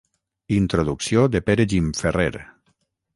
Introducció de Pere Gimferrer.